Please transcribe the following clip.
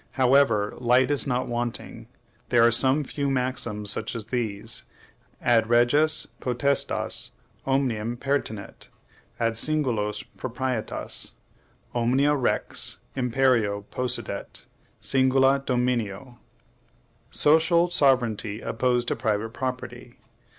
However, light is not wanting. There are some few maxims such as these: Ad reges potestas omnium pertinet, ad singulos proprietas; Omnia rex imperio possidet, singula dominio. Social sovereignty opposed to private property!